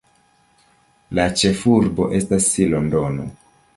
La ĉefurbo estas Londono.